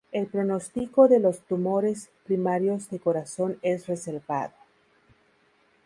El pronostico de los tumores primarios de corazón es reservado.